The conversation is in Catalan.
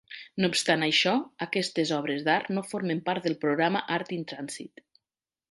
No obstant això, aquestes obres d'art no formen part del programa Art in Transit.